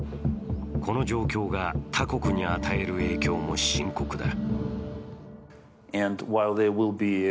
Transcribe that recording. この状況が他国に与える影響も深刻だ。